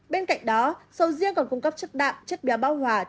bên cạnh đó sầu riêng còn cung cấp chất đạm chất béo bão hỏa chất xơ